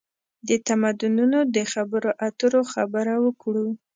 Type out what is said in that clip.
د تمدنونو د خبرواترو خبره وکړو.